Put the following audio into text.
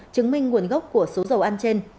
chứng minh nguồn gốc của số dầu ăn trên